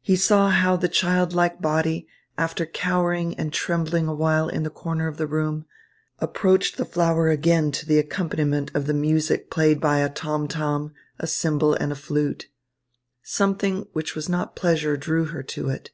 He saw how the childlike body, after cowering and trembling a while in the corner of the room, approached the flower again to the accompaniment of music played by a tom tom, a cymbal, and a flute. Something which was not pleasure drew her to it.